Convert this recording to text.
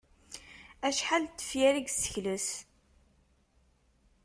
Acḥal n tefyar i yessekles?